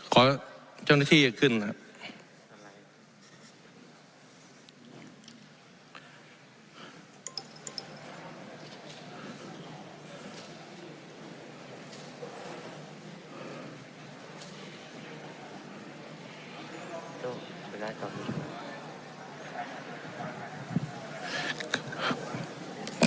ขอเจ้าหน้าที่จะขึ้นนะครับ